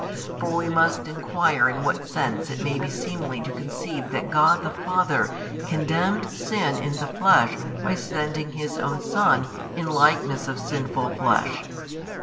For we must inquire in what sense it may be seemly to conceive that God the Father condemned sin in the flesh by sending His own Son in |317 likeness of sinful flesh.